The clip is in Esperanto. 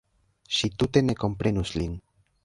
Ŝi tute ne komprenus lin.